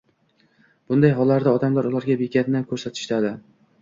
Bunday hollarda, odamlar ularga bekatni ko‘rsatishadi.